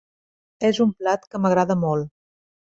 És un plat que m'agrada molt.